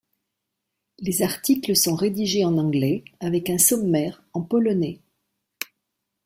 Les articles sont rédigés en anglais avec un sommaire en polonais.